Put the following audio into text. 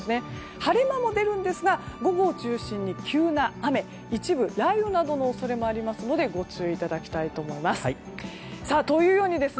晴れ間も出るんですが午後を中心に急な雨、一部雷雨などの恐れもあるのでご注意いただきたいと思います。